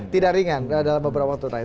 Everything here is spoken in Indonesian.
tidak ringan dalam beberapa waktu terakhir